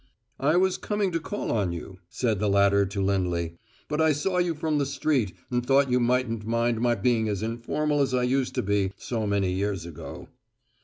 "I was coming to call on you," said the latter to Lindley, "but I saw you from the street and thought you mightn't mind my being as informal as I used to be, so many years ago."